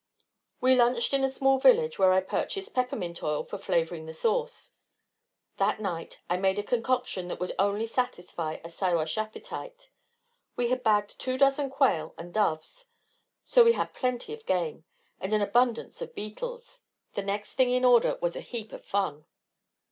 We lunched in a small village where I purchased peppermint oil for flavoring the sauce. That night, I made a concoction that would only satisfy a Siwash appetite. We had bagged two dozen quail and doves, so we had plenty of game, and an abundance of beetles; the next thing in order was a heap of fun.